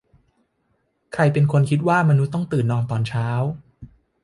ใครเป็นคนคิดว่ามนุษย์ต้องตื่นตอนเช้า